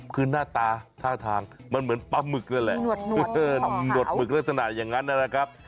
คือหน้าตาท่าทางมันเหมือนปลาหมึกนั่นแหละหนวดหมึกลักษณะอย่างนั้นนะครับ